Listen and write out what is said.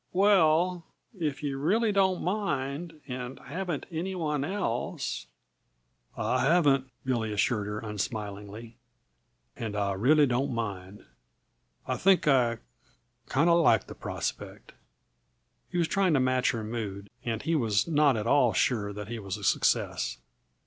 "Well if you really don't mind, and haven't any one else " "I haven't," Billy assured her unsmilingly. "And I really don't mind. I think I kinda like the prospect." He was trying to match her mood and he was not at all sure that he was a success.